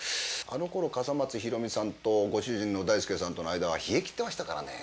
あの頃笠松ひろみさんとご主人の大輔さんとの間は冷え切ってましたからね。